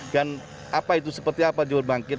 dan apa itu seperti apa jember bangkit